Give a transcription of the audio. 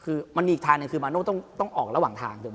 คือมันอีกทางหนึ่งคือมาโน้นโจกต้องออกระหว่างทาง